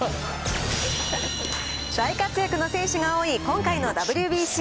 大活躍の選手が多い今回のＷＢＣ。